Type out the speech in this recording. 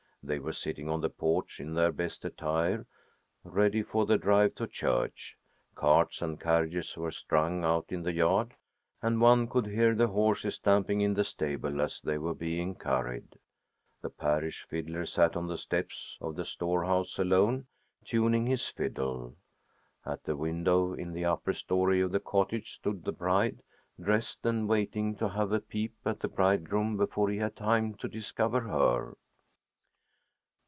They were sitting on the porch in their best attire, ready for the drive to church. Carts and carriages were strung out in the yard, and one could hear the horses stamping in the stable as they were being curried. The parish fiddler sat on the steps of the storehouse alone, tuning his fiddle. At a window in the upper story of the cottage stood the bride, dressed and waiting to have a peep at the bridegroom before he had time to discover her.